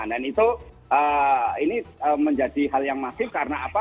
dan itu ini menjadi hal yang masif karena apa